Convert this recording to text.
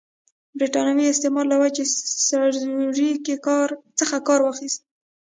برټانوي استعمار له وچې سرزورۍ څخه کار واخیست.